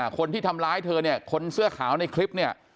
คนที่ทำร้ายเธอเนี่ยคนเสื้อขาวในคลิปเนี่ย